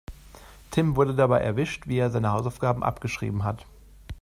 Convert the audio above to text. Tim wurde dabei erwischt, wie er seine Hausaufgaben abgeschrieben hat.